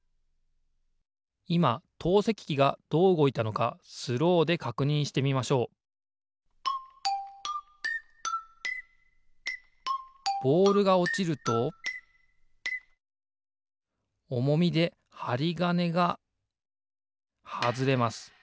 いま投石機がどううごいたのかスローでかくにんしてみましょうボールがおちるとおもみではりがねがはずれます。